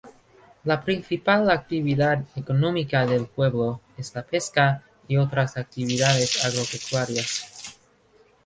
La principal actividad económica del pueblo es la pesca y otras actividades agropecuarias.